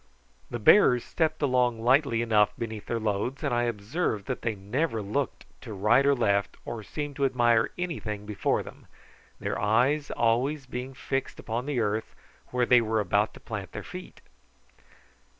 The bearers stepped along lightly enough beneath their loads, and I observed that they never looked to right or left, or seemed to admire anything before them, their eyes being always fixed upon the earth where they were about to plant their feet.